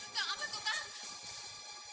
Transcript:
aduh jangan jangan polisi lagi